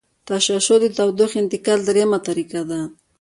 تشعشع د تودوخې انتقال دریمه طریقه ده.